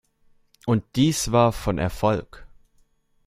Und dies war von Erfolg.